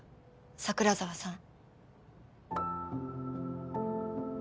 桜沢さん。